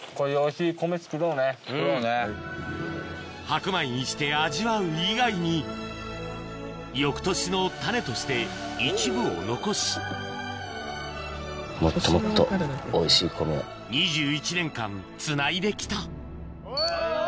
白米にして味わう以外に翌年の種として一部を残し２１年間つないで来たオ！